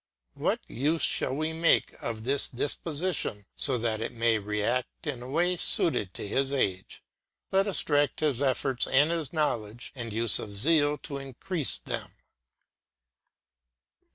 What use shall we make of this disposition so that it may re act in a way suited to his age? Let us direct his efforts and his knowledge, and use his zeal to increase them.